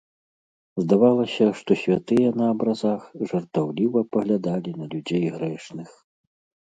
Здавалася, што святыя на абразах жартаўліва паглядалі на людзей грэшных.